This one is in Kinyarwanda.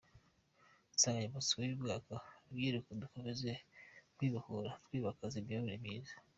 Insanganyamatsiko y’uyu mwaka ni: “Rubyiruko, Dukomeze Kwibohora Twimakaza Imiyoborere Myiza.